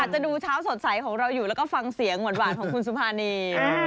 จะดูเช้าสดใสของเราอยู่แล้วก็ฟังเสียงหวานของคุณสุภานี